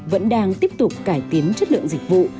vẫn đang tiếp tục cải tiến chất lượng dịch vụ